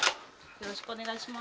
よろしくお願いします。